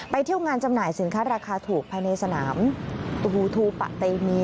เที่ยวงานจำหน่ายสินค้าราคาถูกภายในสนามตูบูทูปะเตมี